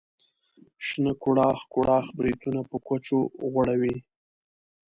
شنه کوړاخ کوړاخ بریتونه په کوچو غوړوي.